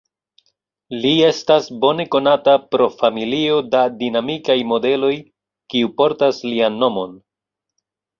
Li estas bone konata pro familio da dinamikaj modeloj, kiu portas lian nomon.